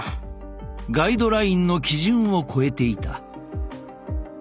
ガイドラインの基準を超えていた。